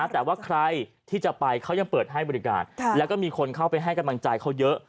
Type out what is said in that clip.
แต่ว่าใครที่จะไปเขายังเปิดให้บริการแล้วก็มีคนเข้าไปให้กำลังใจเขาเยอะ